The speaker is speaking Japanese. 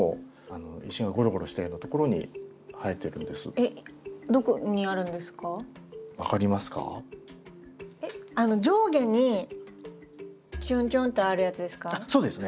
えっあの上下にちょんちょんってあるやつですか？